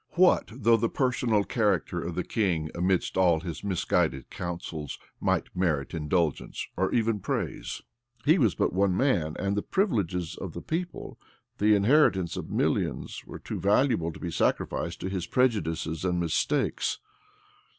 What though the personal character of the king amidst all his misguided counsels, might merit indulgence, or even praise? He was but one man; and the privileges of the people, the inheritance of millions, were too valuable to be sacrificed to his prejudices and mistakes.